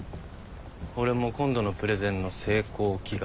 俺も今度のプレゼンの成功祈願。